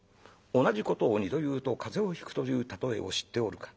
同じことを二度言うと風邪をひくという例えを知っておるか？